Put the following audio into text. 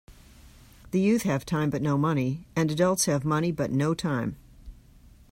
The youth have time but no money and adults have money but no time.